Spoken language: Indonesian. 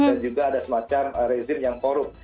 dan juga ada semacam rezim yang korup